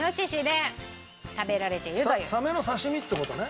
サメの刺身って事ね？